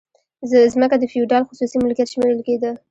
ځمکه د فیوډال خصوصي ملکیت شمیرل کیده.